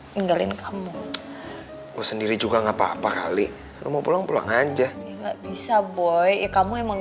tinggalin kamu gua sendiri juga enggak papa kali mau pulang pulang aja enggak bisa boy kamu emang